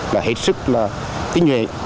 là hết sức là tinh nhuệ